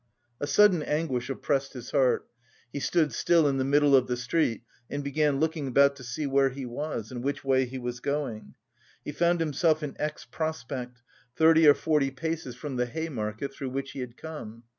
A sudden anguish oppressed his heart, he stood still in the middle of the street and began looking about to see where he was and which way he was going. He found himself in X. Prospect, thirty or forty paces from the Hay Market, through which he had come.